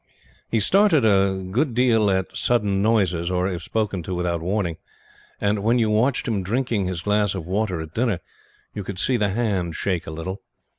He started a good deal at sudden noises or if spoken to without warning; and, when you watched him drinking his glass of water at dinner, you could see the hand shake a little.